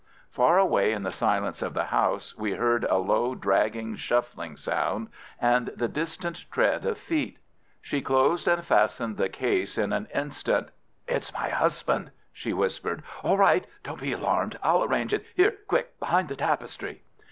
Far away in the silence of the house we heard a low, dragging, shuffling sound, and the distant tread of feet. She closed and fastened the case in an instant. "It's my husband!" she whispered. "All right. Don't be alarmed. I'll arrange it. Here! Quick, behind the tapestry!"